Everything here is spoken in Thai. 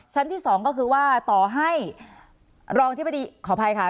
ชั้นที่สองก็คือว่าต่อให้รองที่พอดีขออภัยค่ะ